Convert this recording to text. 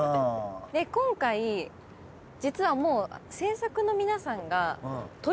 今回実はもう。